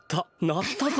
なったぞ！